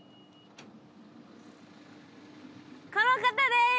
この方でーす！